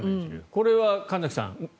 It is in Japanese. これは神崎さん